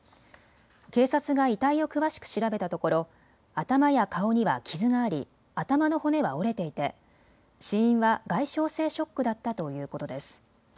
警察が遺体を詳しく調べたところ頭や顔には傷があり頭の骨は折れていて死因は外傷性ショックだったということです。